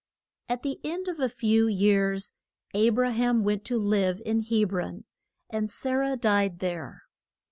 At the end of a few years A bra ham went to live at Heb ron. And Sa rah died there.